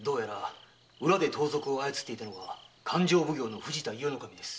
裏で盗賊を操っていたのは勘定奉行・藤田伊予守です。